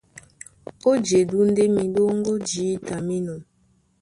Ó jedú ndé miɗóŋgó jǐta mí enɔ́.